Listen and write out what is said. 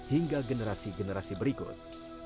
hingga generasi generasi berikut